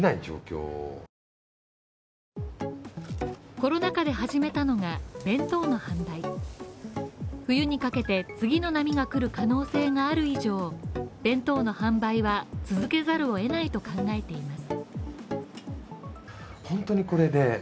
コロナ禍で始めたのが、弁当の販売冬にかけて、次の波が来る可能性がある以上、弁当の販売は続けざるを得ないと考えています。